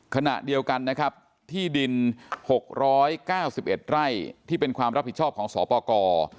ขณะเดียวกันนะครับที่ดิน๖๙๑ไร่ที่เป็นความรับผิดชอบของสปกร